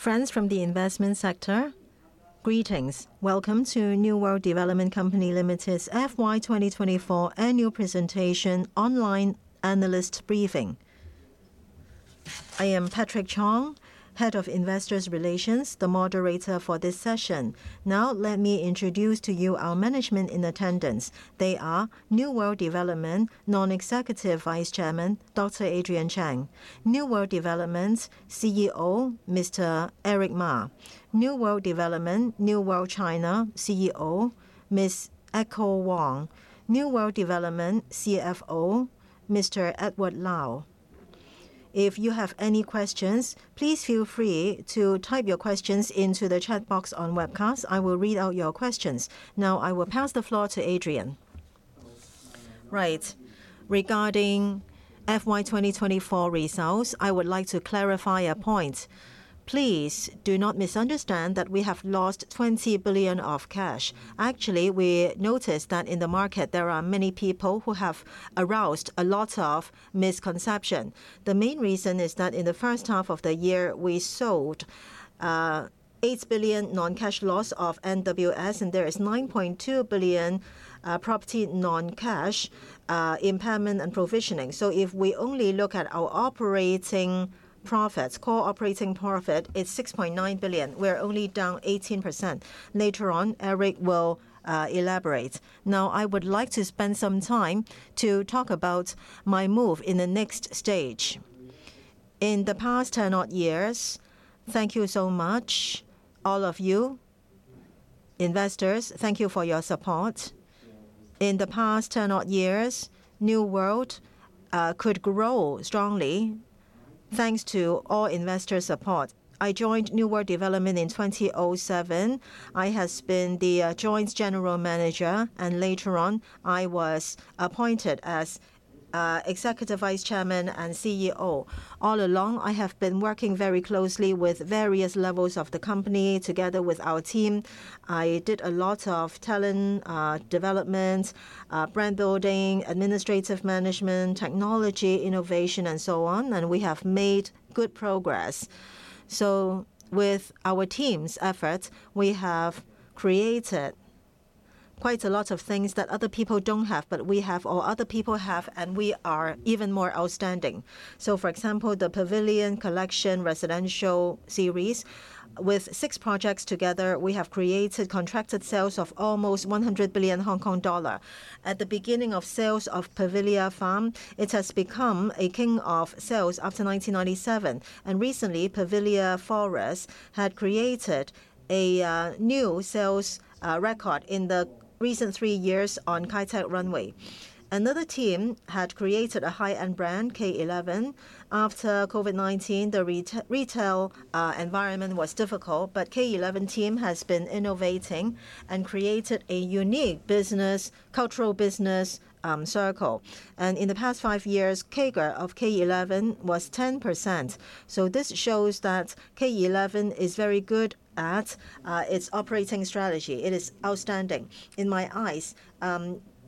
Friends from the investment sector, greetings. Welcome to New World Development Company Limited's FY 2024 Annual Presentation Online Analyst Briefing. I am Patrick Chong, Head of Investor Relations, the moderator for this session. Now, let me introduce to you our management in attendance. They are New World Development Non-Executive Vice Chairman, Dr. Adrian Cheng, New World Development's CEO, Mr. Eric Ma, New World Development's New World China CEO, Ms. Echo Huang, New World Development CFO, Mr. Edward Lau. If you have any questions, please feel free to type your questions into the chat box on webcast. I will read out your questions. Now, I will pass the floor to Adrian. Right. Regarding FY 2024 results, I would like to clarify a point. Please do not misunderstand that we have lost 20 billion of cash. Actually, we noticed that in the market there are many people who have aroused a lot of misconception. The main reason is that in the first half of the year, we sold 8 billion non-cash loss of NWS, and there is 9.2 billion property non-cash impairment and provisioning. So if we only look at our operating profits, core operating profit, it's 6.9 billion. We're only down 18%. Later on, Eric will elaborate. Now, I would like to spend some time to talk about my move in the next stage. In the past 10-odd years. Thank you so much, all of you. Investors, thank you for your support. In the past 10-odd years, New World could grow strongly, thanks to all investor support. I joined New World Development in 2007. I have been the joint general manager, and later on, I was appointed as Executive Vice Chairman and CEO. All along, I have been working very closely with various levels of the company. Together with our team, I did a lot of talent development, brand building, administrative management, technology, innovation, and so on, and we have made good progress. With our team's efforts, we have created quite a lot of things that other people don't have, but we have, or other people have, and we are even more outstanding. For example, the Pavilia Collection residential series. With six projects together, we have created contracted sales of almost 100 billion Hong Kong dollar. At the beginning of sales of Pavilia Farm, it has become a king of sales after 1997, and recently, Pavilia Forest had created a new sales record in the recent three years on Kai Tak Runway. Another team had created a high-end brand, K11. After COVID-19, the retail environment was difficult, but K11 team has been innovating and created a unique business, cultural business, circle. And in the past five years, CAGR of K11 was 10%, so this shows that K11 is very good at its operating strategy. It is outstanding. In my eyes,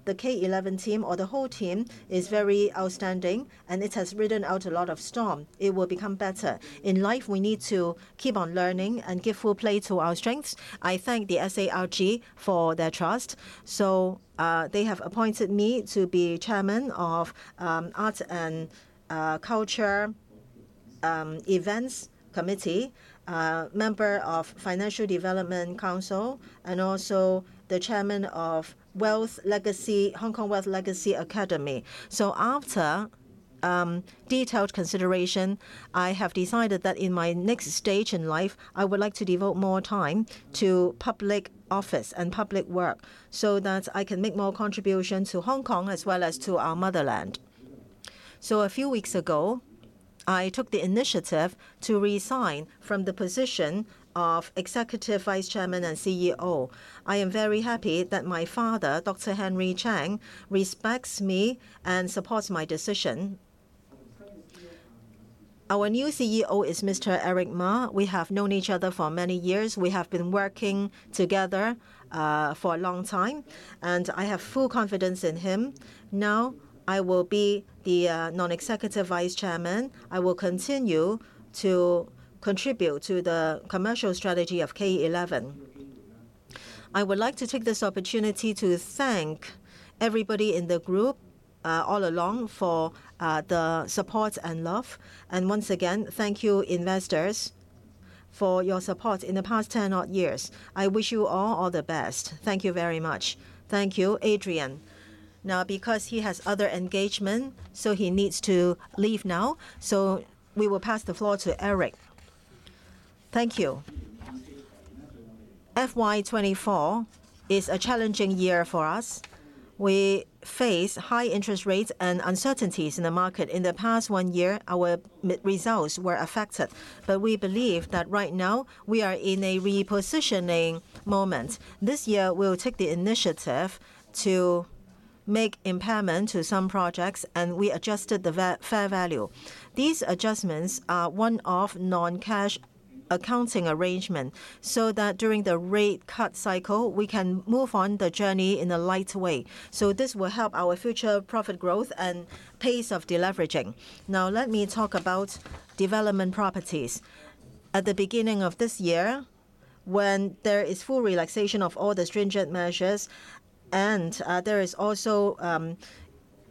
the K11 team or the whole team is very outstanding, and it has ridden out a lot of storm. It will become better. In life, we need to keep on learning and give full play to our strengths. I thank the SARG for their trust. So, they have appointed me to be chairman of Arts and Culture Events Committee, member of Financial Development Council, and also the Chairman of Hong Kong Wealth Legacy Academy. So after detailed consideration, I have decided that in my next stage in life, I would like to devote more time to public office and public work, so that I can make more contribution to Hong Kong as well as to our motherland. So a few weeks ago, I took the initiative to resign from the position of executive vice chairman and CEO. I am very happy that my father, Dr. Henry Cheng, respects me and supports my decision. Our new CEO is Mr. Eric Ma. We have known each other for many years. We have been working together for a long time, and I have full confidence in him. Now, I will be the Non-Executive Vice Chairman. I will continue to contribute to the commercial strategy of K11. I would like to take this opportunity to thank everybody in the group all along for the support and love, and once again, thank you, investors, for your support in the past 10 odd years. I wish you all all the best. Thank you very much. Thank you, Adrian. Now, because he has other engagement, so he needs to leave now, so we will pass the floor to Eric. Thank you. FY 2024 is a challenging year for us. We faced high interest rates and uncertainties in the market. In the past one year, our results were affected, but we believe that right now we are in a repositioning moment. This year, we'll take the initiative to make impairment to some projects, and we adjusted the fair value. These adjustments are one-off non-cash accounting arrangement, so that during the rate cut cycle, we can move on the journey in a lighter way, so this will help our future profit growth and pace of deleveraging. Now, let me talk about development properties. At the beginning of this year, when there is full relaxation of all the stringent measures and there is also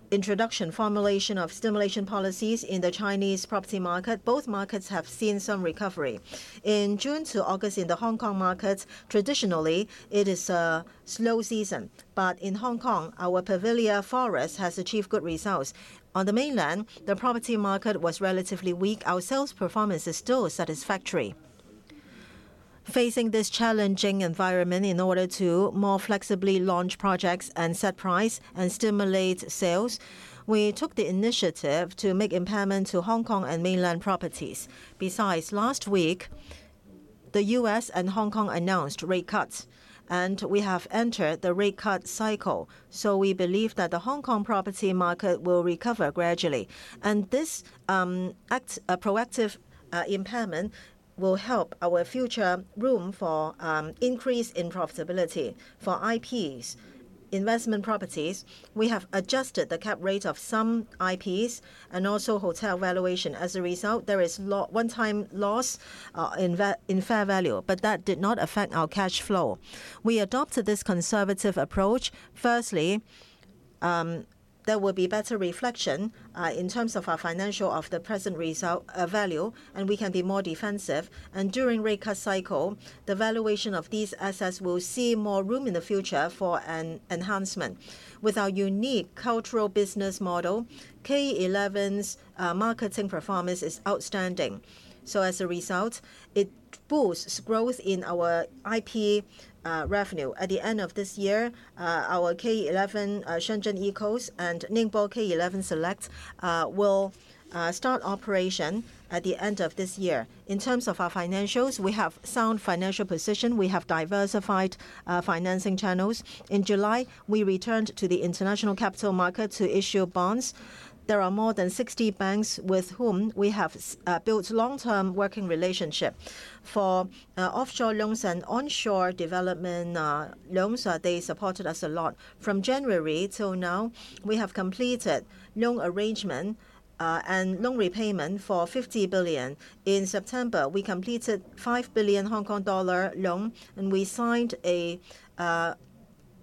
introduction, formulation of stimulus policies in the Chinese property market, both markets have seen some recovery. In June to August, in the Hong Kong markets, traditionally, it is a slow season. But in Hong Kong, our Pavilia Forest has achieved good results. On the mainland, the property market was relatively weak. Our sales performance is still satisfactory. Facing this challenging environment, in order to more flexibly launch projects and set price and stimulate sales, we took the initiative to make impairment to Hong Kong and mainland properties. Besides, last week, the U.S. and Hong Kong announced rate cuts, and we have entered the rate cut cycle. So we believe that the Hong Kong property market will recover gradually. And this act, a proactive impairment, will help our future room for increase in profitability. For IPs, investment properties, we have adjusted the cap rate of some IPs and also hotel valuation. As a result, there is one-time loss in fair value, but that did not affect our cash flow. We adopted this conservative approach. Firstly, there will be better reflection in terms of our financial of the present result value, and we can be more defensive. During rate cut cycle, the valuation of these assets will see more room in the future for an enhancement. With our unique cultural business model, K11's marketing performance is outstanding. As a result, it boosts growth in our IP revenue. At the end of this year, our K11, Shenzhen ECOAST, and Ningbo K11 Select will start operation at the end of this year. In terms of our financials, we have sound financial position. We have diversified financing channels. In July, we returned to the international capital market to issue bonds. There are more than 60 banks with whom we have built long-term working relationship. For offshore loans and onshore development loans, they supported us a lot. From January till now, we have completed loan arrangement and loan repayment for 50 billion. In September, we completed 5 billion Hong Kong dollar loan, and we signed a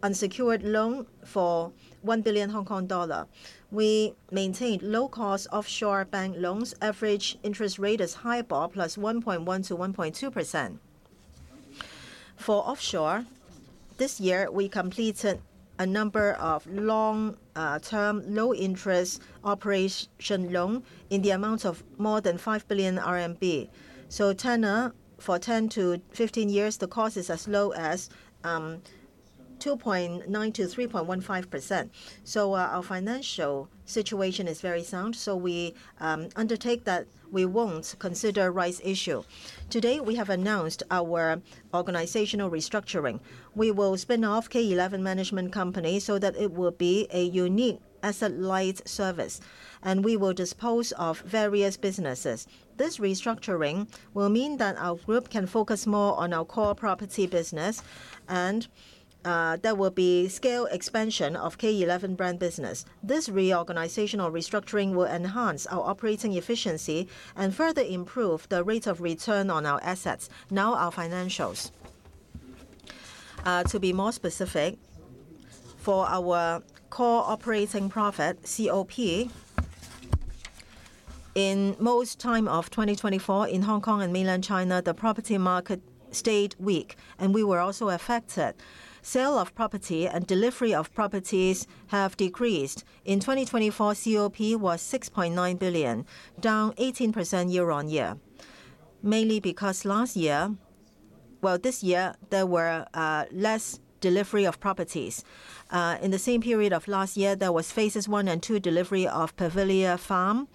unsecured loan for 1 billion Hong Kong dollar. We maintained low cost offshore bank loans. Average interest rate is HIBOR plus 1.1%-1.2%. For onshore, this year, we completed a number of long term, low-interest operating loans in the amount of more than 5 billion RMB. So tenor for 10-15 years, the cost is as low as 2.9%-3.15%. So, our financial situation is very sound, so we undertake that we won't consider rights issue. Today, we have announced our organizational restructuring. We will spin off K11 management company so that it will be a unique asset-light service, and we will dispose of various businesses. This restructuring will mean that our group can focus more on our core property business, and there will be scale expansion of K11 brand business. This reorganizational restructuring will enhance our operating efficiency and further improve the rate of return on our assets. Now, our financials. To be more specific, for our core operating profit, COP, in most time of 2024, in Hong Kong and Mainland China, the property market stayed weak, and we were also affected. Sale of property and delivery of properties have decreased. In 2024, COP was 6.9 billion, down 18% year-on-year. Mainly because last year, well, this year, there were less delivery of properties. In the same period of last year, there was phases I and II delivery of Pavilia Farm,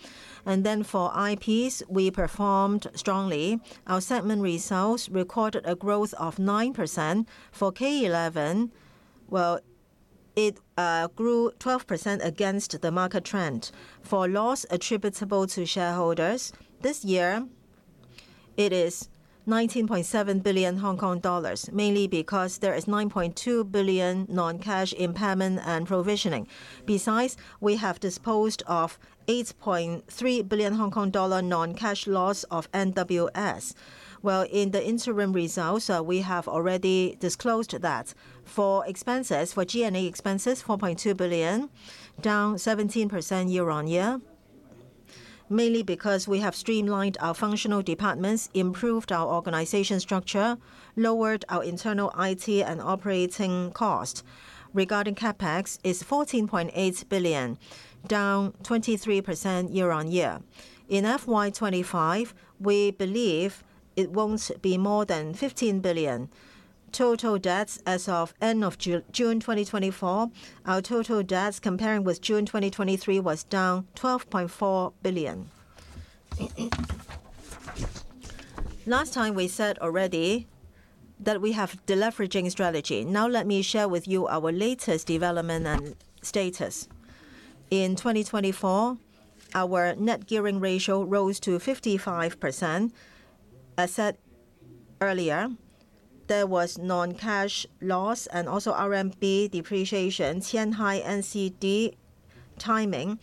and then for IPs, we performed strongly. Our segment results recorded a growth of 9%. For K11, well, it grew 12% against the market trend. For loss attributable to shareholders, this year, it is 19.7 billion Hong Kong dollars, mainly because there is 9.2 billion non-cash impairment and provisioning. Besides, we have disposed of 8.3 billion Hong Kong dollar non-cash loss of NWS. Well, in the interim results, we have already disclosed that. For expenses, for G&A expenses, 4.2 billion, down 17% year-on-year, mainly because we have streamlined our functional departments, improved our organizational structure, lowered our internal IT and operating cost. Regarding CapEx, it is 14.8 billion, down 23% year-on-year. In FY 2025, we believe it won't be more than 15 billion. Total debts as of end of June 2024, our total debts comparing with June 2023 was down 12.4 billion. Last time, we said already that we have deleveraging strategy. Now, let me share with you our latest development and status. In 2024, our net gearing ratio rose to 55%. I said earlier, there was non-cash loss and also RMB depreciation, Qianhai NCD timing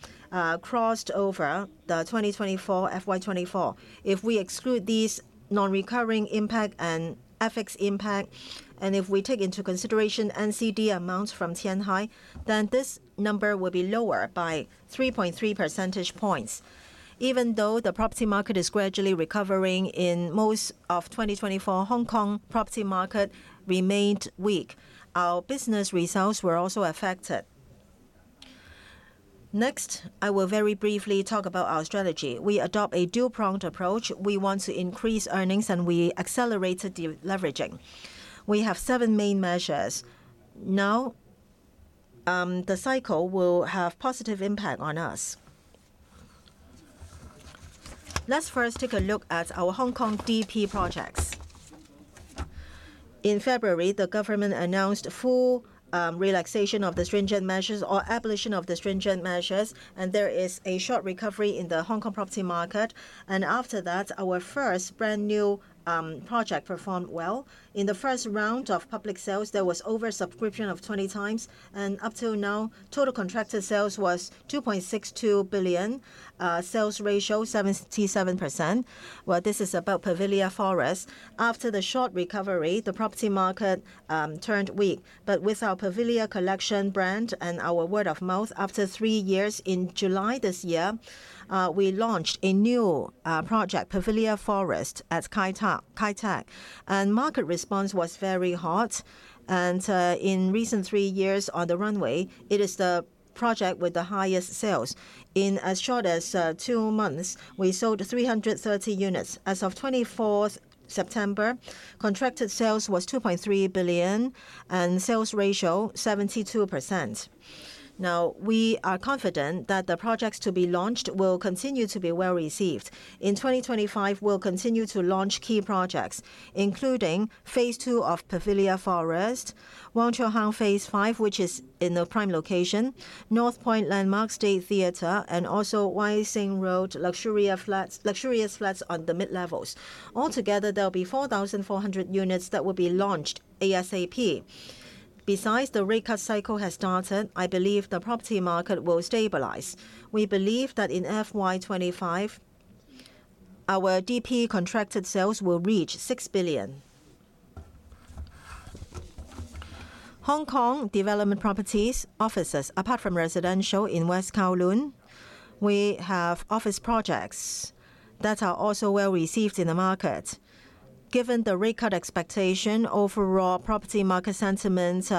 crossed over the 2024, FY 2024. If we exclude these non-recurring impact and FX impact, and if we take into consideration NCD amounts from Qianhai, then this number will be lower by 3.3 percentage points. Even though the property market is gradually recovering in most of 2024, Hong Kong property market remained weak. Our business results were also affected. Next, I will very briefly talk about our strategy. We adopt a dual-pronged approach. We want to increase earnings, and we accelerated deleveraging. We have seven main measures. Now, the cycle will have positive impact on us. Let's first take a look at our Hong Kong DP projects. In February, the government announced full relaxation of the stringent measures or abolition of the stringent measures, and there is a short recovery in the Hong Kong property market. After that, our first brand-new project performed well. In the first round of public sales, there was oversubscription of 20x, and up till now, total contracted sales was 2.62 billion, sales ratio 77%. Well, this is about Pavilia Forest. After the short recovery, the property market turned weak. But with our Pavilia Collection brand and our word of mouth, after three years, in July this year, we launched a new project, Pavilia Forest, at Kai Tak. And market response was very hot, and in recent three years on the runway, it is the project with the highest sales. In as short as two months, we sold 330 units. As of 24th September, contracted sales was 2.3 billion, and sales ratio 72%. Now, we are confident that the projects to be launched will continue to be well-received. In 2025, we'll continue to launch key projects, including phase II of Pavilia Forest, Wong Chuk Hang Phase 5, which is in a prime location, North Point Landmark State Theatre, and also Wai Tsin Road, luxurious flats on the mid-levels. Altogether, there will be 4,400 units that will be launched ASAP. Besides, the rate cut cycle has started. I believe the property market will stabilize. We believe that in FY 2025, our DP contracted sales will reach 6 billion. Hong Kong development properties, offices, apart from residential in West Kowloon, we have office projects that are also well-received in the market. Given the rate cut expectation, overall property market sentiments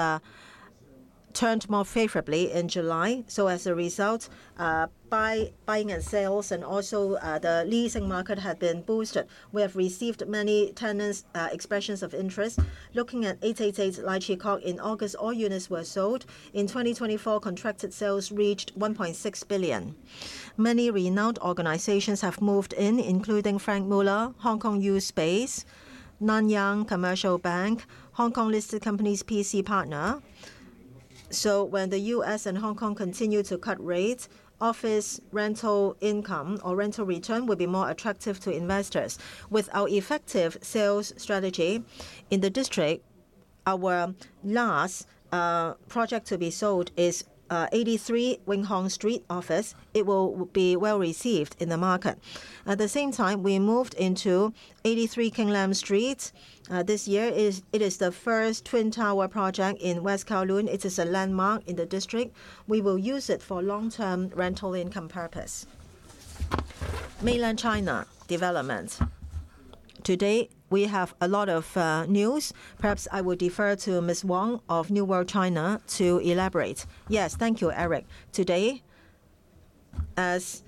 turned more favorably in July. So as a result, buying and sales and also the leasing market had been boosted. We have received many tenants' expressions of interest. Looking at 888 Lai Chi Kok Road, in August, all units were sold. In 2024, contracted sales reached 1.6 billion. Many renowned organizations have moved in, including Franck Muller, Hong Kong U SPACE, Nanyang Commercial Bank, Hong Kong-listed companies, PC Partner. So when the U.S. and Hong Kong continue to cut rates, office rental income or rental return will be more attractive to investors. With our effective sales strategy in the district, our last project to be sold is 83 Wing Hong Street office. It will be well-received in the market. At the same time, we moved into 83 King Lam Street. This year it is the first twin tower project in West Kowloon. It is a landmark in the district. We will use it for long-term rental income purpose. Mainland China development. Today, we have a lot of news. Perhaps I will defer to Ms. Huang of New World China to elaborate. Yes. Thank you, Eric. Today, as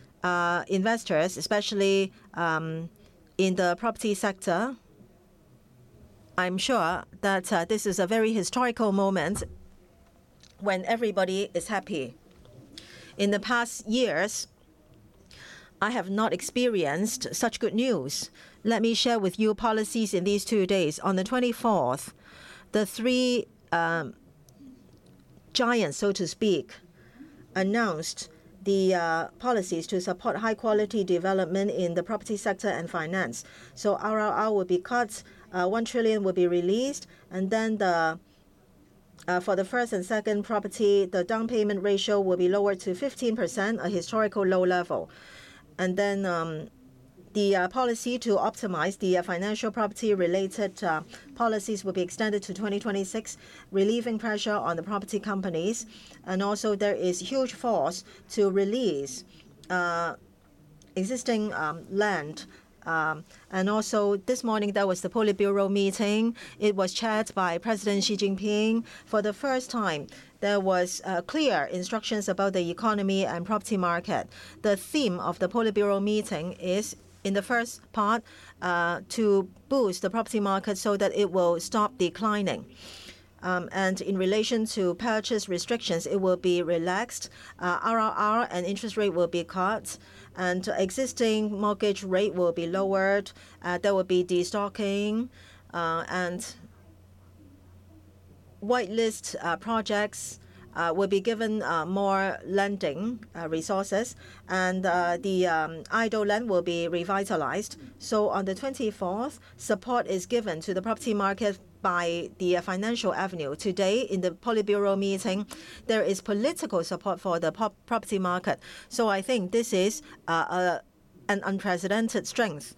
investors, especially in the property sector, I'm sure that this is a very historical moment when everybody is happy. In the past years, I have not experienced such good news. Let me share with you policies in these two days. On the 24th, the three giants, so to speak, announced the policies to support high-quality development in the property sector and finance. RRR will be cut, 1 trillion will be released, and then for the first and second property, the down payment ratio will be lowered to 15%, a historical low level. Then the policy to optimize the financial property-related policies will be extended to twenty twenty-six, relieving pressure on the property companies. Also, there is huge force to release existing land. And also this morning, there was the Politburo meeting. It was chaired by President Xi Jinping. For the first time, there was clear instructions about the economy and property market. The theme of the Politburo meeting is, in the first part, to boost the property market so that it will stop declining. And in relation to purchase restrictions, it will be relaxed. RRR and interest rate will be cut, and existing mortgage rate will be lowered. There will be destocking, and whitelist projects will be given more lending resources, and the idle land will be revitalized. So on the 24th, support is given to the property market by the financial avenue. Today, in the Politburo meeting, there is political support for the property market. So I think this is an unprecedented strength.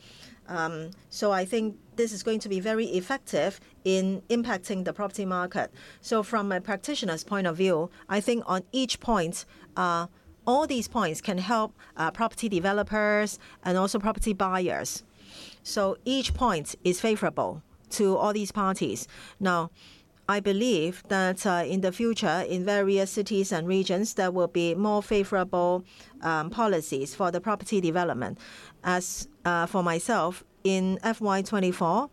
So I think this is going to be very effective in impacting the property market. So from a practitioner's point of view, I think on each point, all these points can help, property developers and also property buyers. So each point is favorable to all these parties. Now, I believe that, in the future, in various cities and regions, there will be more favorable policies for the property development. As for myself, in FY 2024,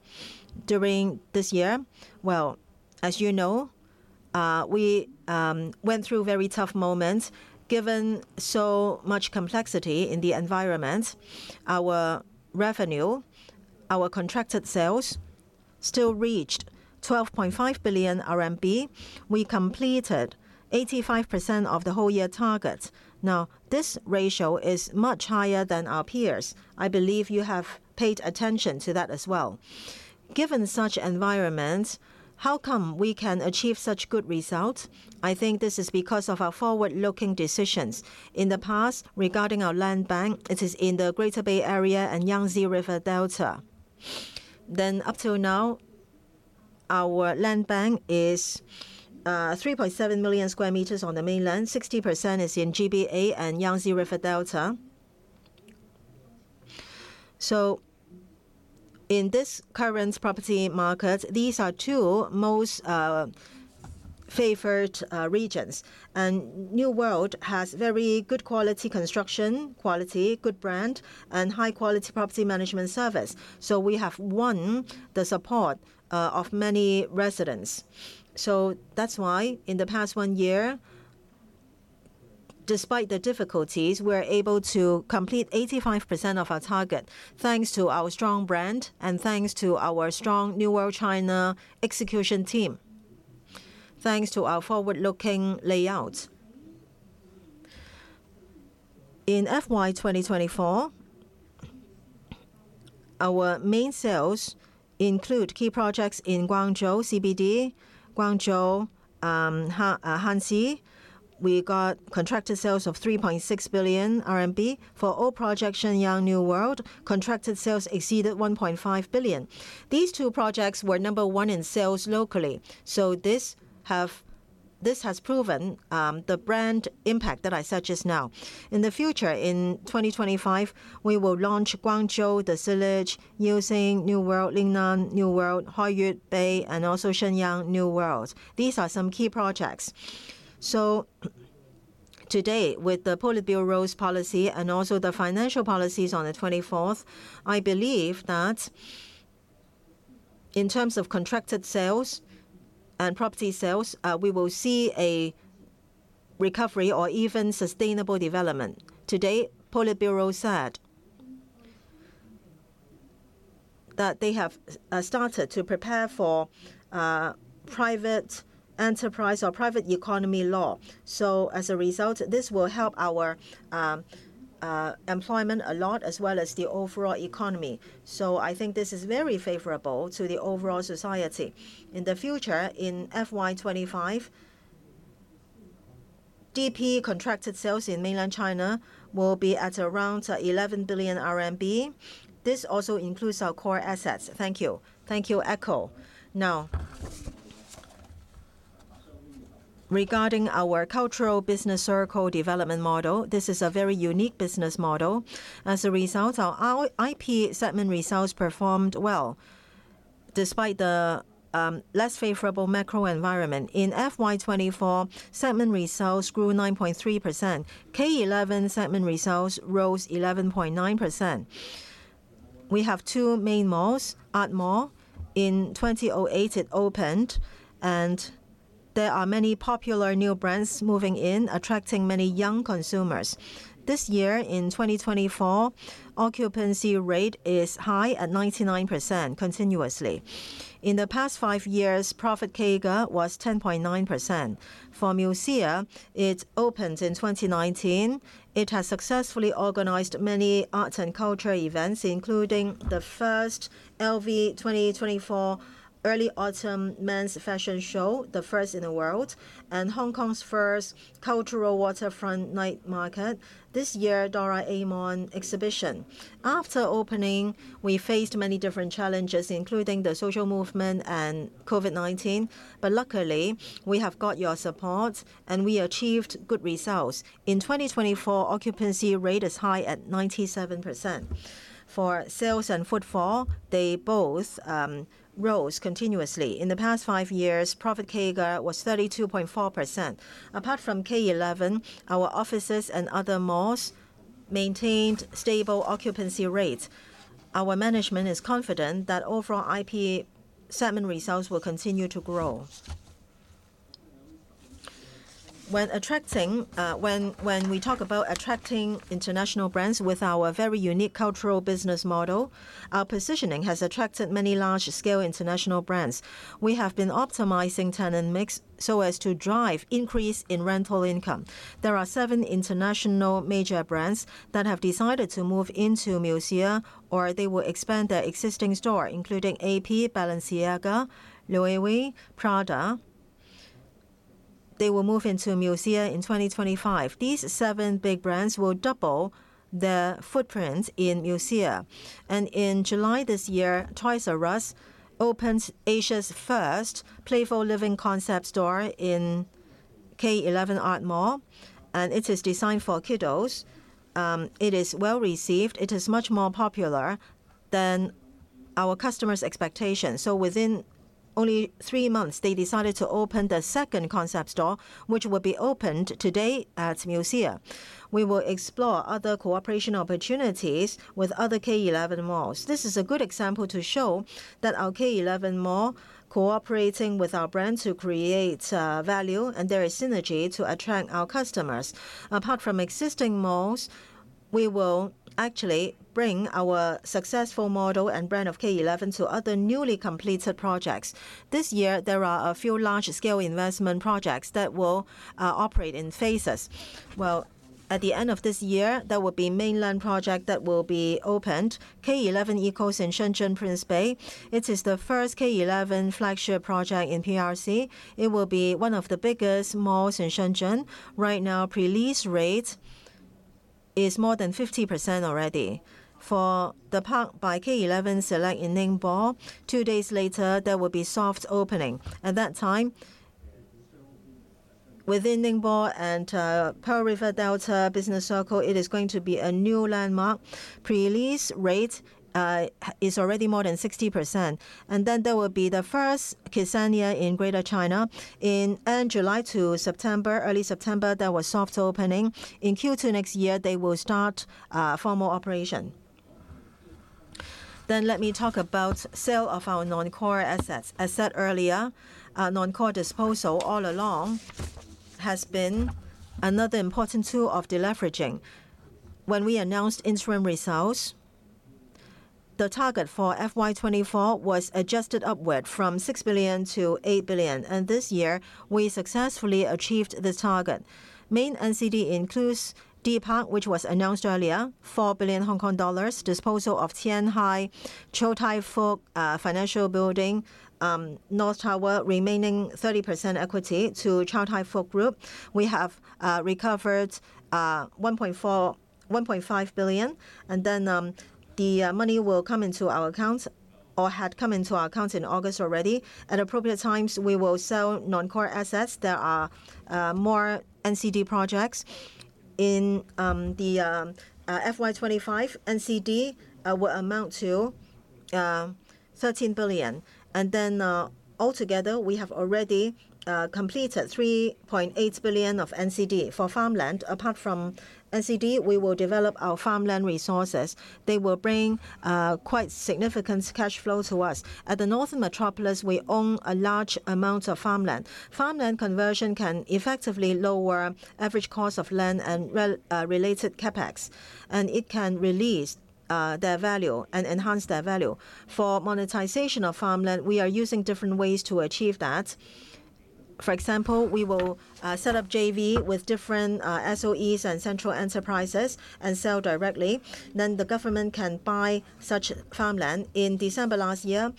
during this year, as you know, we went through very tough moments, given so much complexity in the environment. Our revenue, our contracted sales still reached 12.5 billion RMB. We completed 85% of the whole year target. Now, this ratio is much higher than our peers. I believe you have paid attention to that as well. Given such environment, how come we can achieve such good result? I think this is because of our forward-looking decisions. In the past, regarding our land bank, it is in the Greater Bay Area and Yangtze River Delta. Then up till now, our land bank is 3.7 million sq m on the mainland. 60% is in GBA and Yangtze River Delta. So in this current property market, these are two most favored regions. And New World has very good quality construction, quality, good brand, and high-quality property management service. So we have won the support of many residents. So that's why, in the past one year, despite the difficulties, we are able to complete 85% of our target, thanks to our strong brand and thanks to our strong New World China execution team, thanks to our forward-looking layout. In FY 2024, our main sales include key projects in Guangzhou CBD, Guangzhou Hanxi. We got contracted sales of 3.6 billion RMB. For all projects in Lingnan New World, contracted sales exceeded 1.5 billion. These two projects were number one in sales locally, so this has proven the brand impact that I said just now. In the future, in 2025, we will launch Guangzhou, the village, Yaosheng New World, Lingnan New World, Hoi An Bay, and also Shenyang New World. These are some key projects. So today, with the Politburo's policy and also the financial policies on the 24th, I believe that in terms of contracted sales and property sales, we will see a recovery or even sustainable development. Today, Politburo said that they have started to prepare for private enterprise or private economy law. As a result, this will help our employment a lot, as well as the overall economy. I think this is very favorable to the overall society. In the future, in FY 2025, DP contracted sales in Mainland China will be at around 11 billion RMB. This also includes our core assets. Thank you. Thank you, Echo. Now, regarding our cultural business circle development model, this is a very unique business model. As a result, our IP segment results performed well, despite the less favorable macro environment. In FY 2024, segment results grew 9.3%. K11 segment results rose 11.9%. We have two main malls. Art Mall, in 2008 it opened, and there are many popular new brands moving in, attracting many young consumers. This year, in 2024, occupancy rate is high at 99% continuously. In the past five years, profit CAGR was 10.9%. For MUSEA, it opened in 2019. It has successfully organized many arts and culture events, including the first LV 2024 early autumn men's fashion show, the first in the world, and Hong Kong's first cultural waterfront night market. This year, Doraemon exhibition. After opening, we faced many different challenges, including the social movement and COVID-19. But luckily, we have got your support, and we achieved good results. In 2024, occupancy rate is high at 97%. For sales and footfall, they both rose continuously. In the past five years, profit CAGR was 32.4%. Apart from K11, our offices and other malls maintained stable occupancy rates. Our management is confident that overall IP segment results will continue to grow. When attracting. When we talk about attracting international brands with our very unique cultural business model, our positioning has attracted many large-scale international brands. We have been optimizing tenant mix so as to drive increase in rental income. There are seven international major brands that have decided to move into MUSEA, or they will expand their existing store, including AP, Balenciaga, Louis Vuitton, Prada, they will move into K11 MUSEA in twenty twenty-five. These seven big brands will double their footprint in MUSEA. And in July this year, Toys "R" Us opened Asia's first playful living concept store in K11 Art Mall, and it is designed for kiddos. It is well-received. It is much more popular than our customers' expectations. So within only three months, they decided to open the second concept store, which will be opened today at MUSEA. We will explore other cooperation opportunities with other K11 malls. This is a good example to show that our K11 Mall, cooperating with our brand to create value, and there is synergy to attract our customers. Apart from existing malls, we will actually bring our successful model and brand of K11 to other newly completed projects. This year, there are a few large-scale investment projects that will operate in phases. Well, at the end of this year, there will be mainland project that will be opened, K11 ECOAST in Shenzhen, Prince Bay. It is the first K11 flagship project in PRC. It will be one of the biggest malls in Shenzhen. Right now, pre-lease rate is more than 50% already. For The Park by K11 Select in Ningbo, two days later, there will be soft opening. At that time, within Ningbo and Pearl River Delta business circle, it is going to be a new landmark. Pre-lease rate is already more than 60%. And then there will be the first K11 in Greater China. In end July to September, early September, there was soft opening. In Q2 next year, they will start formal operation. Then let me talk about sale of our non-core assets. As said earlier, our non-core disposal all along has been another important tool of deleveraging. When we announced interim results, the target for FY 2024 was adjusted upward from 6 billion-8 billion, and this year we successfully achieved the target. Main NCD includes D·PARK, which was announced earlier, 4 billion Hong Kong dollars, disposal of Qianhai, Chow Tai Fook Financial Building, North Tower, remaining 30% equity to Chow Tai Fook Group. We have recovered 1.5 billion, and then the money will come into our accounts or had come into our accounts in August already. At appropriate times, we will sell non-core assets. There are more NCD projects. In the FY 2025, NCD will amount to 13 billion. And then, altogether, we have already completed 3.8 billion of NCD. For farmland, apart from NCD, we will develop our farmland resources. They will bring quite significant cash flow to us. At the Northern Metropolis, we own a large amount of farmland. Farmland conversion can effectively lower average cost of land and related CapEx, and it can release their value and enhance their value. For monetization of farmland, we are using different ways to achieve that. For example, we will set up JV with different SOEs and central enterprises and sell directly, then the government can buy such farmland. In December last year,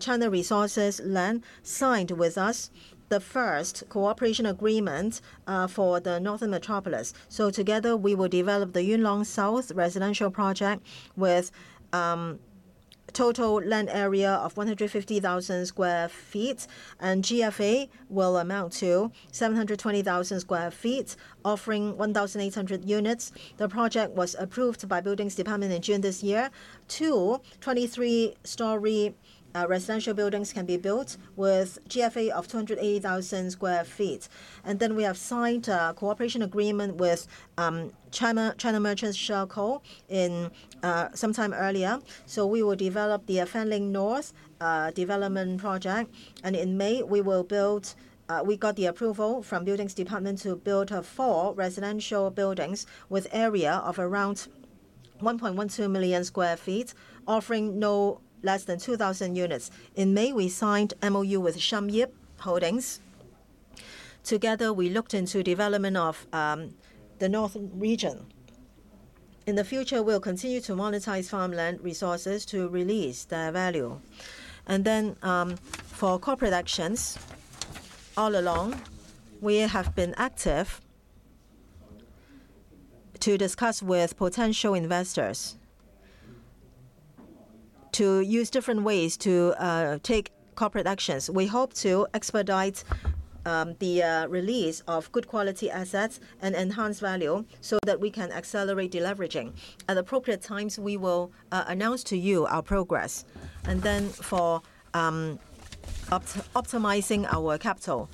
China Resources Land signed with us the first cooperation agreement for the Northern Metropolis. So together, we will develop the Yuen Long South residential project with total land area of 150,000 sq ft, and GFA will amount to 720,000 sq ft, offering 1,800 units. The project was approved by Buildings Department in June this year. Two 23-storey residential buildings can be built with GFA of 280,000 sq ft. And then we have signed a cooperation agreement with China Merchants Shekou in some time earlier. We will develop the Fanling North development project, and in May we got the approval from Buildings Department to build four residential buildings with area of around 1.12 million sq ft, offering no less than 2,000 units. In May, we signed MoU with Shum Yip Holdings. Together, we looked into development of the northern region. In the future, we'll continue to monetize farmland resources to release their value. For corporate actions, all along, we have been active to discuss with potential investors to use different ways to take corporate actions. We hope to expedite the release of good-quality assets and enhance value so that we can accelerate deleveraging. At appropriate times, we will announce to you our progress. For optimizing our capital.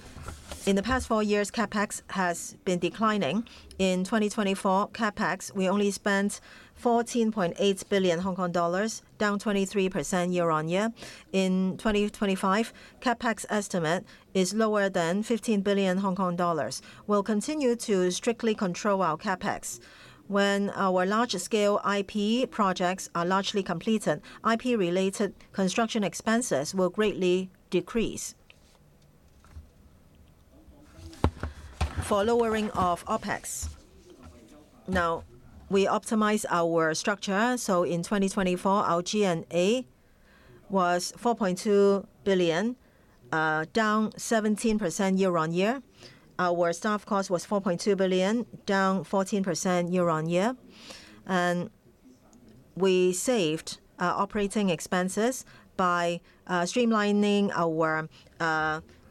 In the past four years, CapEx has been declining. In 2024, CapEx, we only spent 14.8 billion Hong Kong dollars, down 23% year-on-year. In 2025, CapEx estimate is lower than 15 billion Hong Kong dollars. We'll continue to strictly control our CapEx. When our large-scale IP projects are largely completed, IP-related construction expenses will greatly decrease. For lowering of OpEx. Now, we optimize our structure, so in 2024, our G&A was 4.2 billion, down 17% year-on-year. Our staff cost was 4.2 billion, down 14% year-on-year. And we saved operating expenses by streamlining our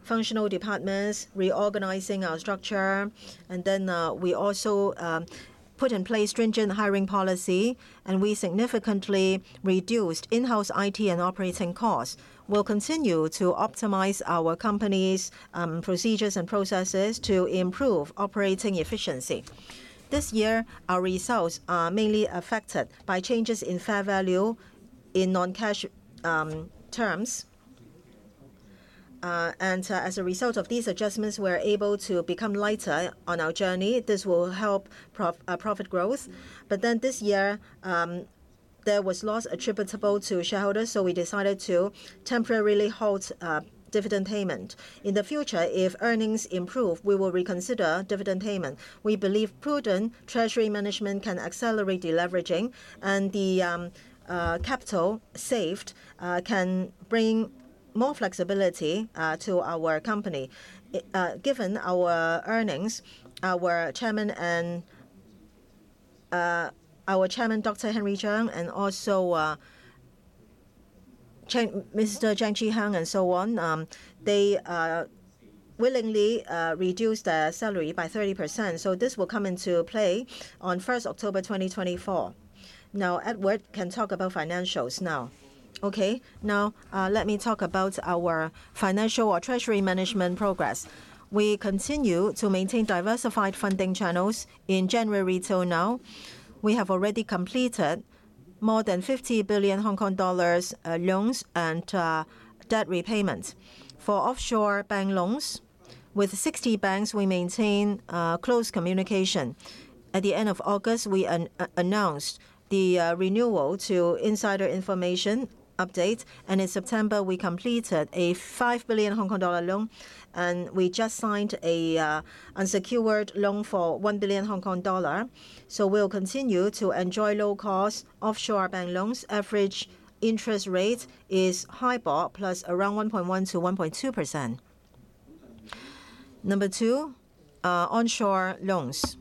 functional departments, reorganizing our structure, and then we also put in place stringent hiring policy, and we significantly reduced in-house IT and operating costs. We'll continue to optimize our company's procedures and processes to improve operating efficiency. This year, our results are mainly affected by changes in fair value in non-cash terms. And, as a result of these adjustments, we're able to become lighter on our journey. This will help profit growth. But then this year, there was loss attributable to shareholders, so we decided to temporarily halt dividend payment. In the future, if earnings improve, we will reconsider dividend payment. We believe prudent treasury management can accelerate deleveraging, and the capital saved can bring more flexibility to our company. Given our earnings, our Chairman and, our Chairman, Dr. Henry Cheng, and also Mr. Cheng Chi-Heng, and so on, they willingly reduced their salary by 30%, so this will come into play on 1st October 2024. Now, Edward can talk about financials now. Okay. Now, let me talk about our financial or treasury management progress. We continue to maintain diversified funding channels. In January till now, we have already completed more than 50 billion Hong Kong dollars loans and debt repayments. For offshore bank loans, with 60 banks, we maintain close communication. At the end of August, we announced the renewal to inside information update, and in September, we completed a 5 billion Hong Kong dollar loan, and we just signed an unsecured loan for 1 billion Hong Kong dollar. So we'll continue to enjoy low costs. Offshore bank loans average interest rate is HIBOR plus around 1.1%-1.2%. Number two, onshore loans.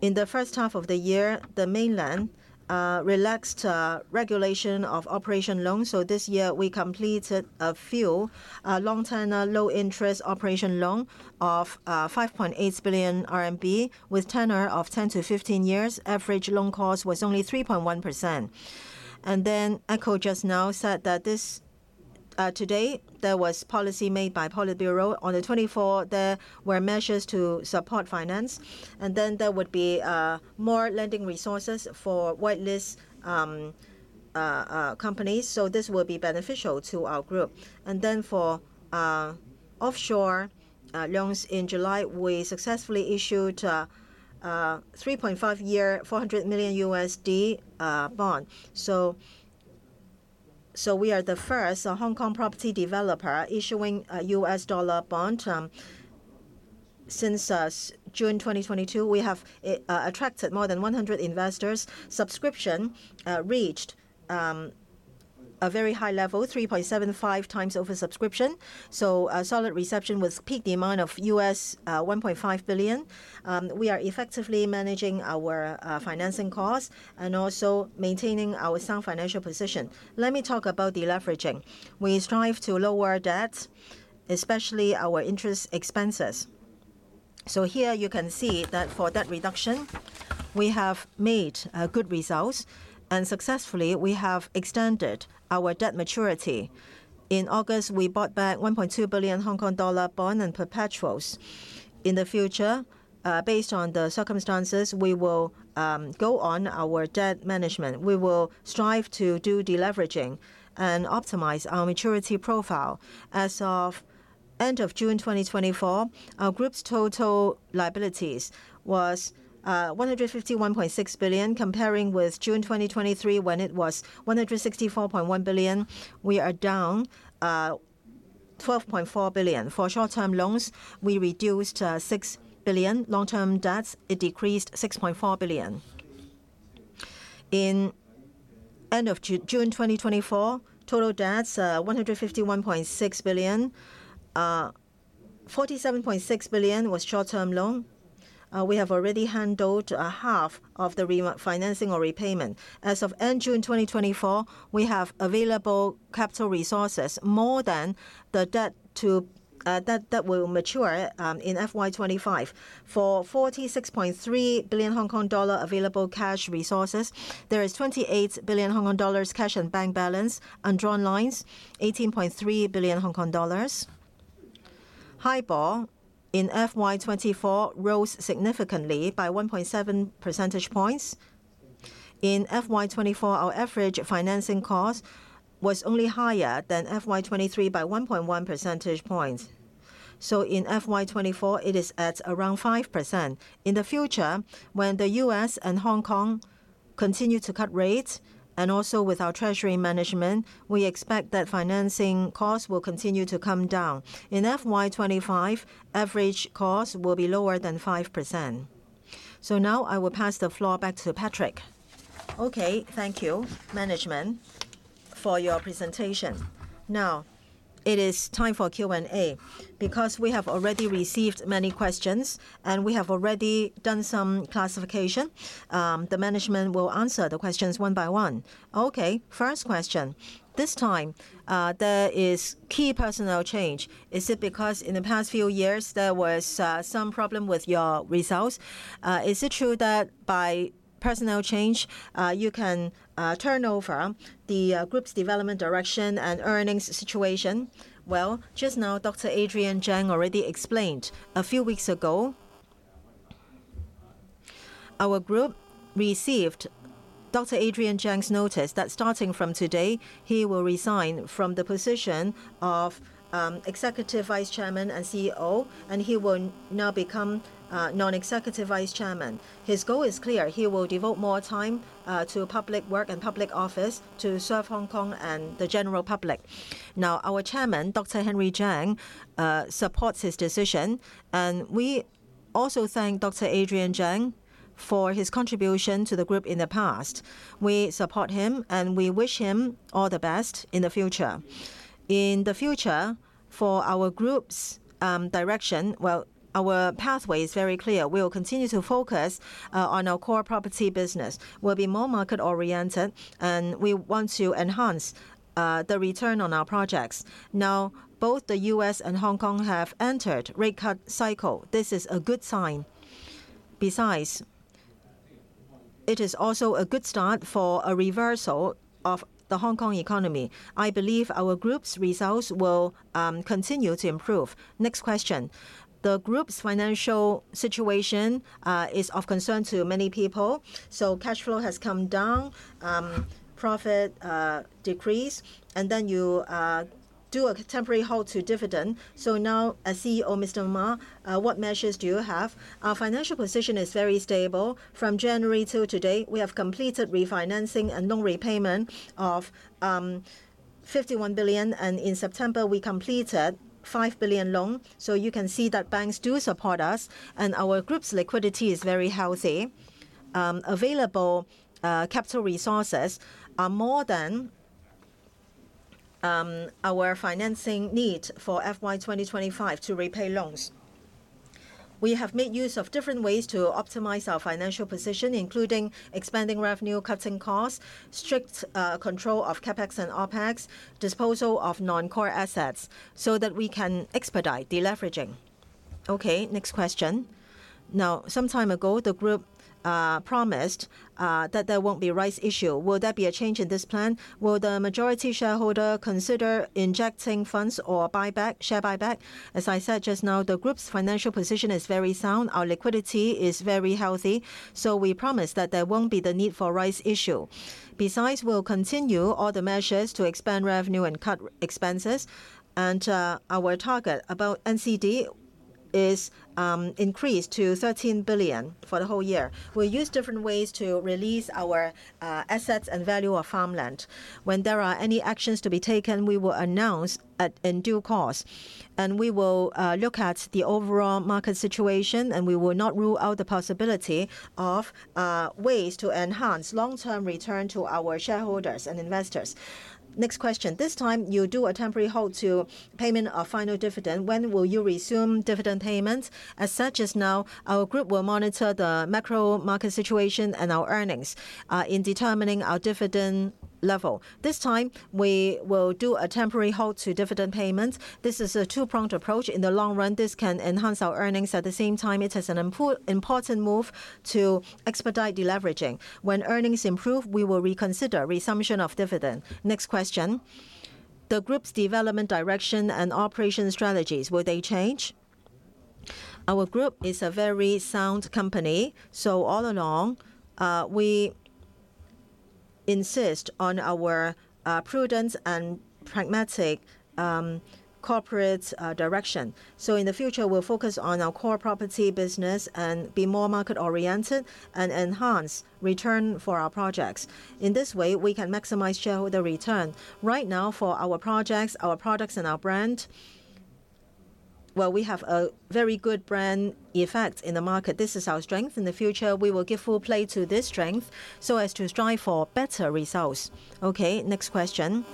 In the first half of the year, the mainland relaxed regulation of operation loans, so this year we completed a few long tenor, low interest operation loan of 5.8 billion RMB with tenor of 10-15 years. Average loan cost was only 3.1%. Then Echo just now said that this, today there was policy made by Politburo. On the 24th, there were measures to support finance, and then there would be more lending resources for whitelist companies, so this will be beneficial to our group. Then for offshore loans, in July, we successfully issued a 3.5-year, $400 million bond. We are the first Hong Kong property developer issuing a U.S. dollar bond. Since June 2022, we have attracted more than 100 investors. Subscription reached a very high level, 3.75x oversubscription. A solid reception with peak demand of $1.5 billion. We are effectively managing our financing costs and also maintaining our sound financial position. Let me talk about deleveraging. We strive to lower debt, especially our interest expenses. Here you can see that for debt reduction, we have made good results, and successfully we have extended our debt maturity. In August, we bought back 1.2 billion Hong Kong dollar bond and perpetuals. In the future, based on the circumstances, we will go on our debt management. We will strive to do deleveraging and optimize our maturity profile. As of end of June 2024, our group's total liabilities was 151.6 billion, comparing with June 2023, when it was 164.1 billion. We are down 12.4 billion. For short-term loans, we reduced 6 billion. Long-term debts, it decreased 6.4 billion. In end of June 2024, total debts are 151.6 billion. 47.6 billion was short-term loan. We have already handled half of the refinancing or repayment. As of end June 2024, we have available capital resources more than the debt that will mature in FY 2025. For 46.3 billion Hong Kong dollar available cash resources, there is 28 billion Hong Kong dollars cash and bank balance, and drawn lines, 18.3 billion Hong Kong dollars. HIBOR in FY 2024 rose significantly by 1.7 percentage points. In FY 2024, our average financing cost was only higher than FY 2023 by 1.1 percentage points. So in FY 2024, it is at around 5%. In the future, when the U.S. and Hong Kong continue to cut rates, and also with our treasury management, we expect that financing costs will continue to come down. In FY 2025, average cost will be lower than 5%. So now I will pass the floor back to Patrick. Okay, thank you, management, for your presentation. Now, it is time for Q&A. Because we have already received many questions, and we have already done some classification, the management will answer the questions one by one. Okay, first question. This time, there is key personnel change. Is it because in the past few years there was some problem with your results? Is it true that by personnel change, you can turn over the group's development direction and earnings situation? Well, just now, Dr. Adrian Cheng already explained. A few weeks ago, our group received Dr. Adrian Cheng's notice that starting from today, he will resign from the position of Executive Vice Chairman and CEO, and he will now become Non-Executive Vice Chairman. His goal is clear. He will devote more time to public work and public office to serve Hong Kong and the general public. Now, our Chairman, Dr. Henry Cheng supports his decision, and we also thank Dr. Adrian Cheng for his contribution to the group in the past. We support him, and we wish him all the best in the future. In the future, for our group's direction, well, our pathway is very clear. We will continue to focus on our core property business. We'll be more market-oriented, and we want to enhance the return on our projects. Now, both the U.S. and Hong Kong have entered rate cut cycle. This is a good sign. Besides, it is also a good start for a reversal of the Hong Kong economy. I believe our group's results will continue to improve. Next question. The group's financial situation is of concern to many people, so cash flow has come down, profit decreased, and then you do a temporary halt to dividend. So now, as CEO, Mr. Ma, what measures do you have? Our financial position is very stable. From January till today, we have completed refinancing a loan repayment of 51 billion, and in September, we completed 5 billion loan. So you can see that banks do support us, and our group's liquidity is very healthy. Available capital resources are more than our financing need for FY 2025 to repay loans. We have made use of different ways to optimize our financial position, including expanding revenue, cutting costs, strict control of CapEx and OpEx, disposal of non-core assets, so that we can expedite deleveraging. Okay, next question. Now, some time ago, the group promised that there won't be rights issue. Will there be a change in this plan? Will the majority shareholder consider injecting funds or buyback, share buyback? As I said just now, the group's financial position is very sound. Our liquidity is very healthy, so we promise that there won't be the need for rights issue. Besides, we'll continue all the measures to expand revenue and cut expenses, and our target about NCD is increased to 13 billion for the whole year. We'll use different ways to release our assets and value of farmland. When there are any actions to be taken, we will announce in due course, and we will look at the overall market situation, and we will not rule out the possibility of ways to enhance long-term return to our shareholders and investors. Next question: This time, you do a temporary halt to payment of final dividend. When will you resume dividend payments? As said just now, our group will monitor the macro market situation and our earnings in determining our dividend level. This time, we will do a temporary halt to dividend payments. This is a two-pronged approach. In the long run, this can enhance our earnings. At the same time, it is an important move to expedite deleveraging. When earnings improve, we will reconsider resumption of dividend. Next question. The group's development direction and operation strategies, will they change? Our group is a very sound company, so all along we insist on our prudence and pragmatic corporate direction. So in the future, we'll focus on our core property business and be more market-oriented and enhance return for our projects. In this way, we can maximize shareholder return. Right now, for our projects, our products, and our brand, well, we have a very good brand effect in the market. This is our strength. In the future, we will give full play to this strength so as to strive for better results. Okay, next question.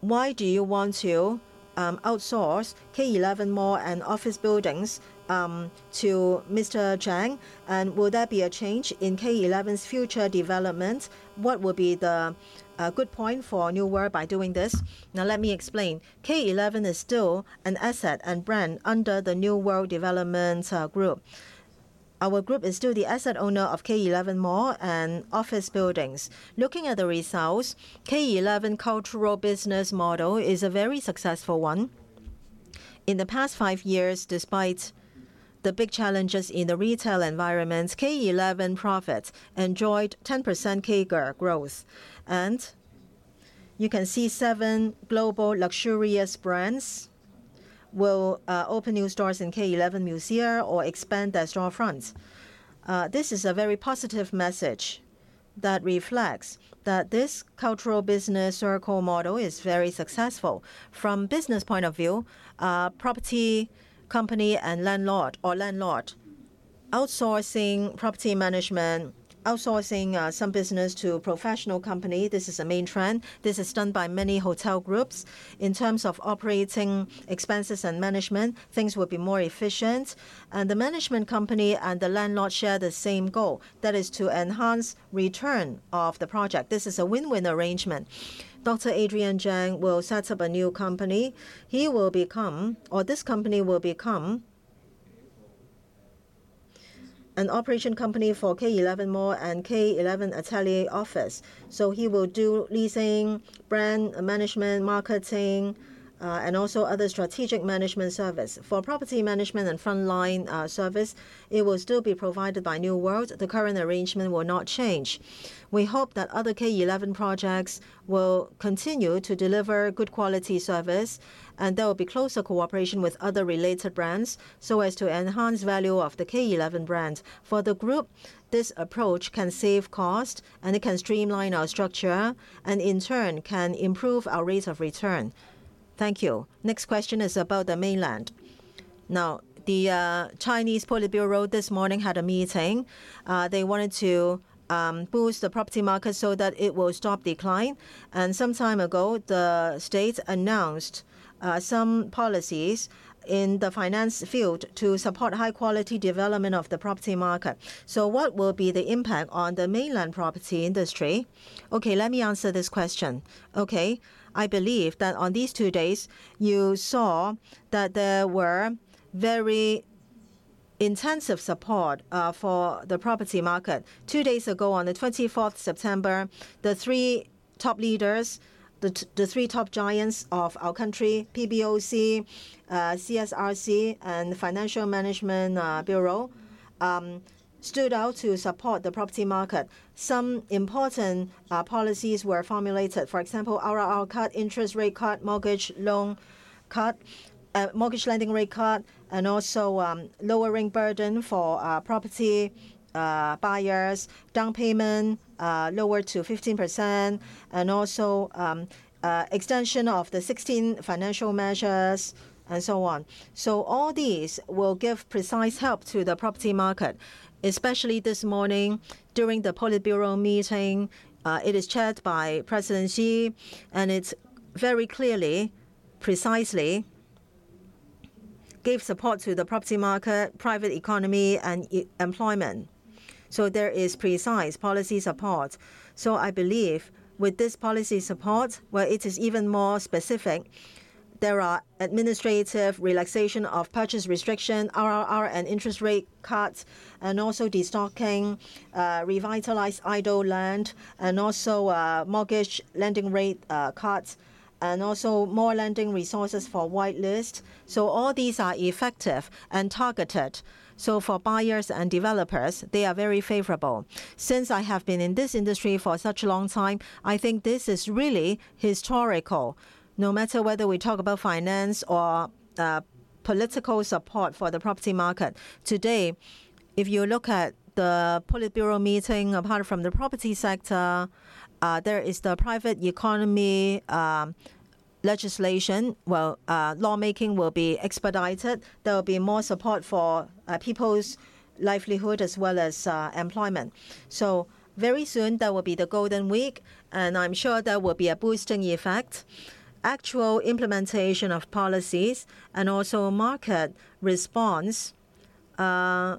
Why do you want to outsource K11 Mall and office buildings to Mr. Cheng? And will there be a change in K11's future development? What will be the good point for New World by doing this? Now, let me explain. K11 is still an asset and brand under the New World Development Group. Our group is still the asset owner of K11 Mall and office buildings. Looking at the results, K11 cultural business model is a very successful one. In the past five years, despite the big challenges in the retail environment, K11 profits enjoyed 10% CAGR growth. You can see seven global luxurious brands will open new stores in K11 MUSEA or expand their storefronts. This is a very positive message that reflects that this cultural business circle model is very successful. From business point of view, property company and landlord outsourcing property management, outsourcing some business to a professional company, this is a main trend. This is done by many hotel groups. In terms of operating expenses and management, things will be more efficient, and the management company and the landlord share the same goal, that is to enhance return of the project. This is a win-win arrangement. Dr. Adrian Cheng will set up a new company. He will become or this company will become an operation company for K11 Art Mall and K11 ATELIER office. So he will do leasing, brand management, marketing, and also other strategic management service. For property management and frontline service, it will still be provided by New World. The current arrangement will not change. We hope that other K11 projects will continue to deliver good quality service, and there will be closer cooperation with other related brands, so as to enhance value of the K11 brand. For the group, this approach can save cost, and it can streamline our structure, and in turn, can improve our rates of return. Thank you. Next question is about the mainland. Now, the Chinese Politburo this morning had a meeting. They wanted to boost the property market so that it will stop decline. And some time ago, the state announced some policies in the finance field to support high-quality development of the property market. So what will be the impact on the mainland property industry? Okay, let me answer this question. Okay, I believe that on these two days, you saw that there were very intensive support for the property market. Two days ago, on the twenty-fourth September, the three top leaders, the three top giants of our country, PBOC, CSRC, and Financial Management Bureau stood out to support the property market. Some important policies were formulated. For example, RRR cut, interest rate cut, mortgage loan cut, mortgage lending rate cut, and also, lowering burden for property buyers, down payment lowered to 15%, and also, extension of the 16 financial measures, and so on. So all these will give precise help to the property market, especially this morning during the Politburo meeting, it is chaired by President Xi, and it's very clearly, precisely, gave support to the property market, private economy, and employment. So there is precise policy support. So I believe with this policy support, where it is even more specific, there are administrative relaxation of purchase restriction, RRR and interest rate cuts, and also destocking, revitalize idle land, and also, mortgage lending rate cuts, and also more lending resources for whitelist. So all these are effective and targeted. So for buyers and developers, they are very favorable. Since I have been in this industry for such a long time, I think this is really historical. No matter whether we talk about finance or political support for the property market, today, if you look at the Politburo meeting, apart from the property sector, there is the private economy, legislation, lawmaking will be expedited. There will be more support for people's livelihood as well as employment. So very soon, there will be the golden week, and I'm sure there will be a boosting effect. Actual implementation of policies and also market response, I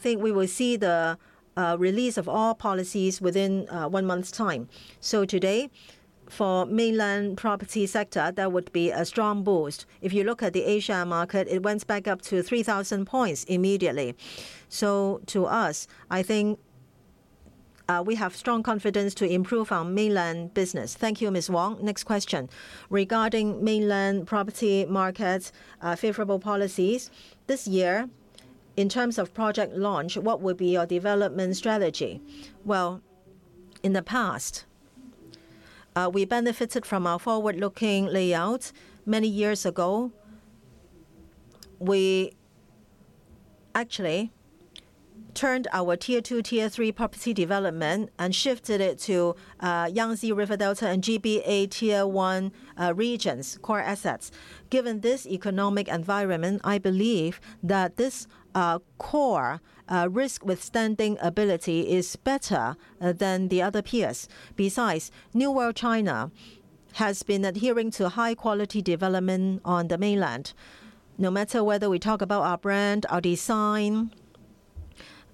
think we will see the release of all policies within one month's time. So today, for mainland property sector, there would be a strong boost. If you look at the Asia market, it went back up to three thousand points immediately. So to us, I think, we have strong confidence to improve our mainland business. Thank you, Ms. Huang. Next question. Regarding mainland property markets, favorable policies, this year, in terms of project launch, what will be your development strategy? Well, in the past, we benefited from our forward-looking layout. Many years ago, we actually turned our Tier 2, Tier 3 property development and shifted it to, Yangtze River Delta and GBA Tier 1, regions, core assets. Given this economic environment, I believe that this, core, risk withstanding ability is better, than the other peers. Besides, New World China has been adhering to high-quality development on the mainland. No matter whether we talk about our brand, our design,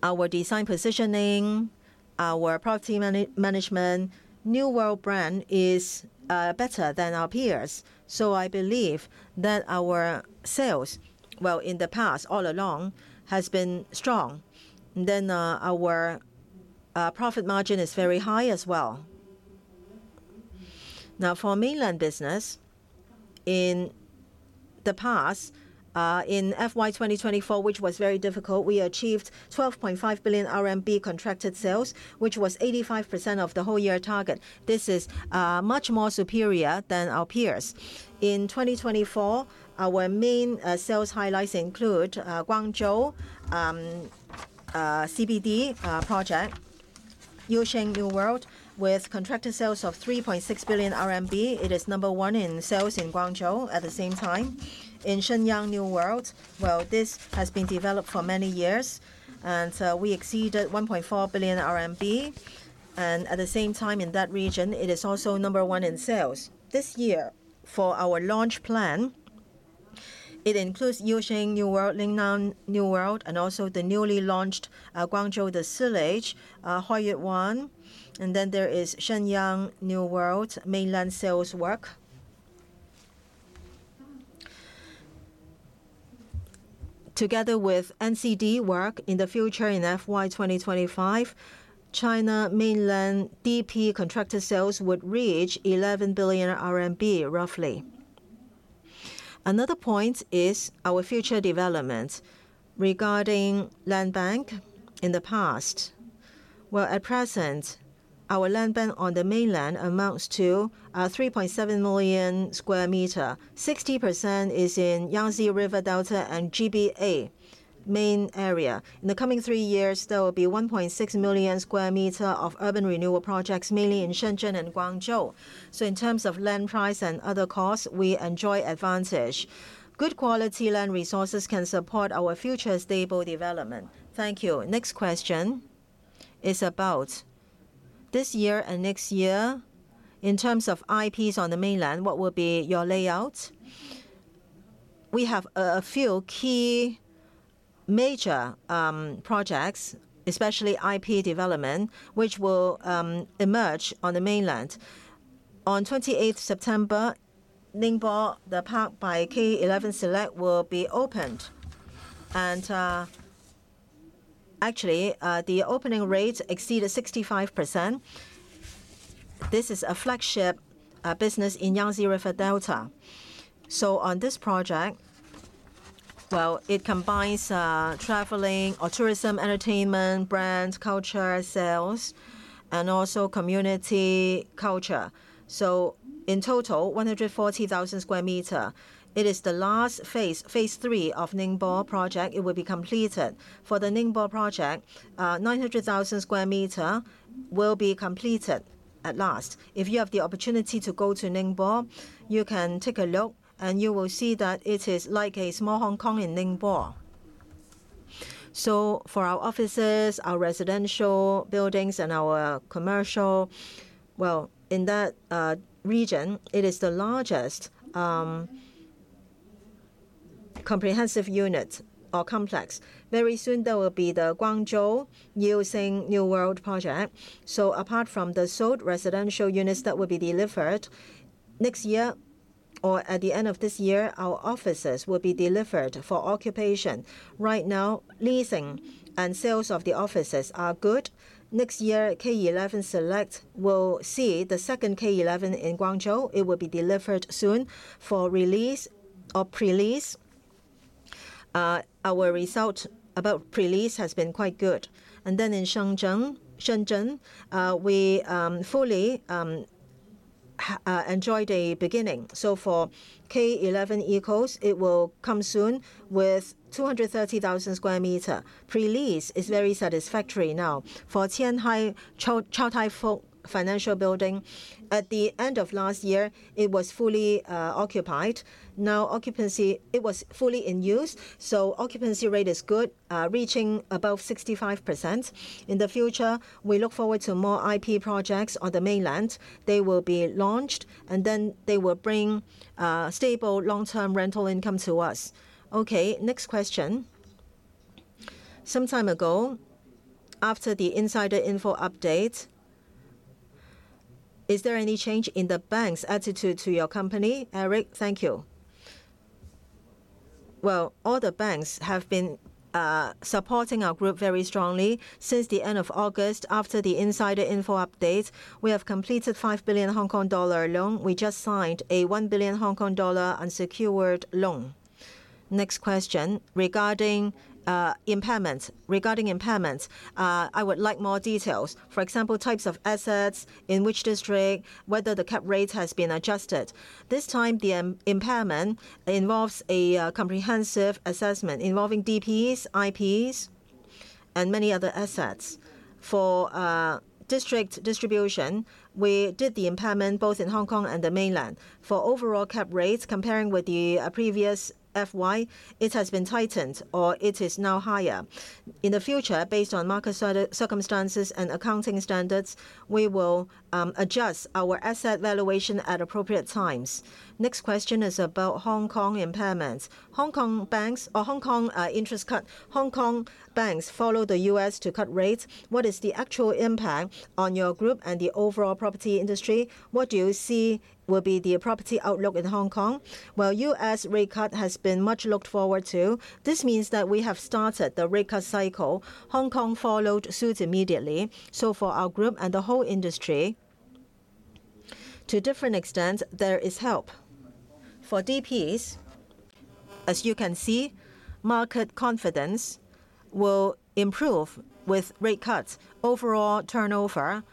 our design positioning, our property management, New World brand is, better than our peers. So I believe that our sales, well, in the past, all along, has been strong, then, our, profit margin is very high as well. Now, for mainland business, in the past, in FY 2024, which was very difficult, we achieved 12.5 billion RMB contracted sales, which was 85% of the whole year target. This is much more superior than our peers. In 2024, our main sales highlights include Guangzhou CBD project, Yaosheng New World, with contracted sales of 3.6 billion RMB, it is number one in sales in Guangzhou. At the same time, in Shenyang New World, well, this has been developed for many years, and so we exceeded 1.4 billion RMB, and at the same time, in that region, it is also number one in sales. This year, for our launch plan, it includes Yaosheng New World, Lingnan New World, and also the newly launched, Guangzhou, the village, Hoi An, and then there is Shenyang New World mainland sales work. Together with NCD work in the future in FY 2025, China mainland DP contracted sales would reach 11 billion RMB, roughly. Another point is our future development. Regarding land bank, in the past. Well, at present, our land bank on the mainland amounts to 3.7 million sq m. 60% is in Yangtze River Delta and GBA main area. In the coming three years, there will be 1.6 million sq m of urban renewal projects, mainly in Shenzhen and Guangzhou. So in terms of land price and other costs, we enjoy advantage. Good quality land resources can support our future stable development. Thank you. Next question is about this year and next year. In terms of IPs on the mainland, what will be your layout? We have a few key major projects, especially IP development, which will emerge on the mainland. On 28th September, in Ningbo, The Park by K11 Select will be opened. And actually the opening rates exceeded 65%. This is a flagship business in Yangtze River Delta. So on this project, well, it combines traveling or tourism, entertainment, brands, culture, sales, and also community culture. So in total, 140,000 sq m. It is the last phase, phase III of Ningbo project. It will be completed. For the Ningbo project, 900,000 sq m will be completed at last. If you have the opportunity to go to Ningbo, you can take a look, and you will see that it is like a small Hong Kong in Ningbo. So for our offices, our residential buildings, and our commercial, well, in that region, it is the largest comprehensive unit or complex. Very soon there will be the Guangzhou Lingnan New World project. So apart from the sold residential units that will be delivered next year or at the end of this year, our offices will be delivered for occupation. Right now, leasing and sales of the offices are good. Next year, K11 Select will see the second K11 in Guangzhou. It will be delivered soon for release or pre-lease. Our result about pre-lease has been quite good. And then in Shenzhen, we fully enjoyed a beginning. For K11 ECOAST, it will come soon with 230,000 sq m. Pre-lease is very satisfactory now. For Tianjin CTF, Chow Tai Fook Financial Building, at the end of last year, it was fully occupied. Now occupancy, it was fully in use, so occupancy rate is good, reaching above 65%. In the future, we look forward to more IP projects on the mainland. They will be launched, and then they will bring stable long-term rental income to us. Okay, next question. Some time ago, after the insider info update, is there any change in the bank's attitude to your company? Eric. thank you. All the banks have been supporting our group very strongly. Since the end of August, after the insider info update, we have completed 5 billion Hong Kong dollar loan. We just signed a 1 billion Hong Kong dollar unsecured loan. Next question, regarding impairment. Regarding impairment, I would like more details. For example, types of assets, in which district, whether the cap rate has been adjusted. This time, the impairment involves a comprehensive assessment involving DPs, IPs, and many other assets. For district distribution, we did the impairment both in Hong Kong and the mainland. For overall cap rates, comparing with the previous FY, it has been tightened, or it is now higher. In the future, based on market circumstances and accounting standards, we will adjust our asset valuation at appropriate times. Next question is about Hong Kong impairments. Hong Kong banks or Hong Kong interest cut. Hong Kong banks follow the U.S. to cut rates. What is the actual impact on your group and the overall property industry? What do you see will be the property outlook in Hong Kong? Well, U.S. rate cut has been much looked forward to. This means that we have started the rate cut cycle. Hong Kong followed suit immediately, so for our group and the whole industry, to different extents, there is help. For DPs, as you can see, market confidence will improve with rate cuts. Overall turnover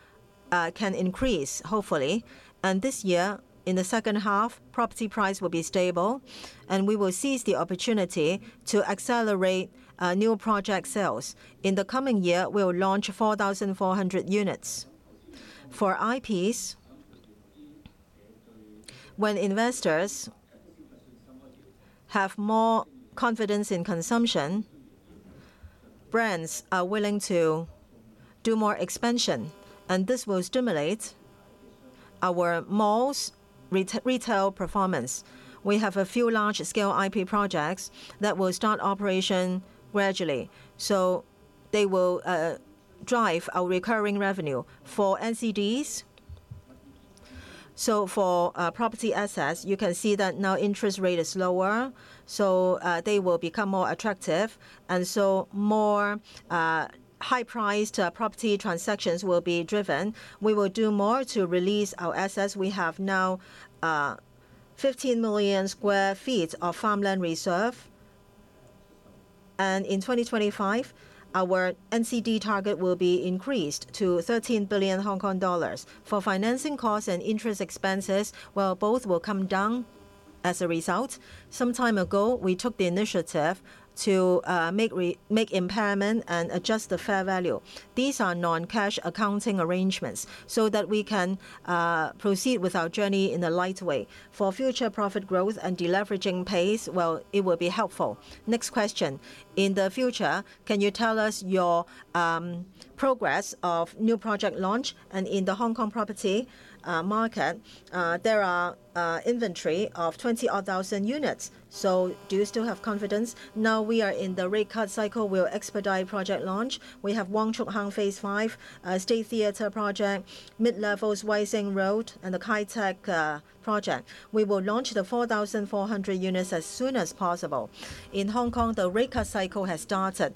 can increase, hopefully, and this year, in the second half, property price will be stable, and we will seize the opportunity to accelerate new project sales. In the coming year, we will launch four thousand four hundred units. For IPs, when investors have more confidence in consumption, brands are willing to do more expansion, and this will stimulate our malls' retail performance. We have a few large-scale IP projects that will start operation gradually, so they will drive our recurring revenue. For NCDs, for property assets, you can see that now interest rate is lower, so they will become more attractive, and so more high-priced property transactions will be driven. We will do more to release our assets. We have now 15 million sq ft of farmland reserve, and in 2025, our NCD target will be increased to 13 billion Hong Kong dollars. For financing costs and interest expenses, well, both will come down as a result. Some time ago, we took the initiative to make impairment and adjust the fair value. These are non-cash accounting arrangements so that we can proceed with our journey in a light way. For future profit growth and deleveraging pace, well, it will be helpful. Next question. In the future, can you tell us your progress of new project launch? And in the Hong Kong property market, there are inventory of twenty odd thousand units, so do you still have confidence? Now we are in the rate cut cycle. We'll expedite project launch. We have Wong Chuk Hang Phase 5, State Theatre project, Mid-Levels Wai Tsin Road, and the Kai Tak project. We will launch the 4,400 units as soon as possible. In Hong Kong, the rate cut cycle has started.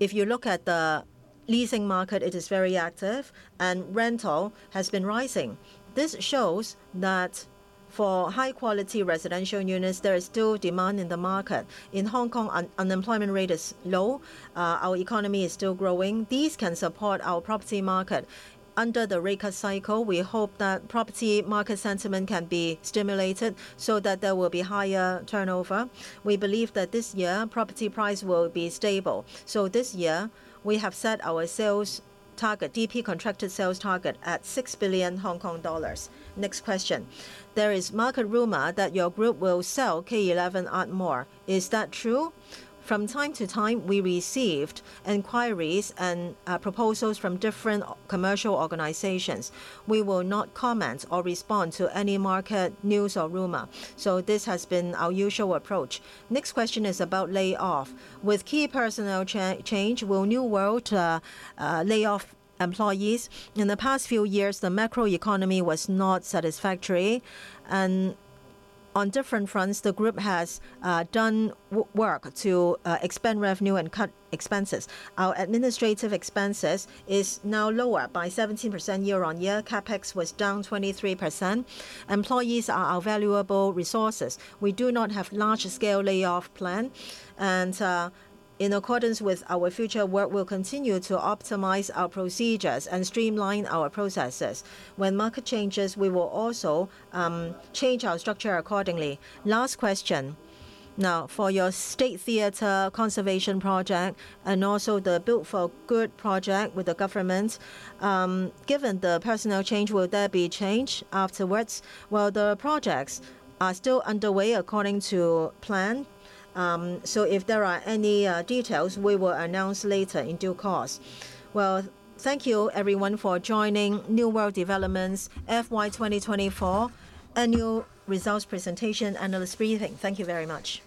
If you look at the leasing market, it is very active and rental has been rising. This shows that for high-quality residential units, there is still demand in the market. In Hong Kong, unemployment rate is low. Our economy is still growing. These can support our property market. Under the rate cut cycle, we hope that property market sentiment can be stimulated so that there will be higher turnover. We believe that this year, property price will be stable. So this year, we have set our sales target, DP contracted sales target, at 6 billion Hong Kong dollars. Next question: There is market rumor that your group will sell K11 Art Mall. Is that true? From time to time, we received inquiries and proposals from different commercial organizations. We will not comment or respond to any market news or rumor, so this has been our usual approach. Next question is about layoff. With key personnel change, will New World lay off employees? In the past few years, the macro economy was not satisfactory, and on different fronts, the group has done work to expand revenue and cut expenses. Our administrative expenses is now lower by 17% year-on-year. CapEx was down 23%. Employees are our valuable resources. We do not have large-scale layoff plan, and in accordance with our future work, we'll continue to optimize our procedures and streamline our processes. When market changes, we will also change our structure accordingly. Last question. Now, for your State Theatre conservation project, and also the Build for Good project with the government, given the personnel change, will there be change afterwards? Well, the projects are still underway according to plan. So if there are any details, we will announce later in due course. Thank you everyone for joining New World Development's FY 2024 annual results presentation analyst briefing. Thank you very much.